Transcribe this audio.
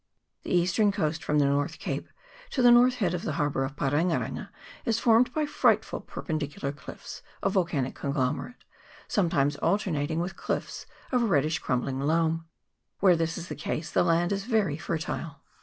The eastern coast from the North Cape to the north head of the harbour of Parenga renga is formed by frightful perpendicular cliffs of volcanic conglome rate, sometimes alternating with cliffs of a reddish crumbling loam ; where this is the case the land is very fertile.